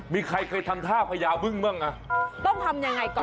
มีใครเคยทำท่าพญาบึ้งบ้างอ่ะต้องทำยังไงก่อน